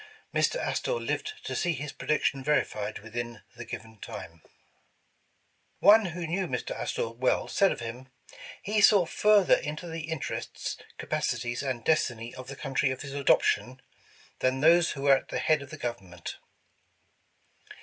Mr. Astor lived to see his prediction verified within the given time." One who knew Mr. Astor well, said of him. '' He saw further into the interests, capacities and destiny of the country of his adoption, than those who were at the head of the government."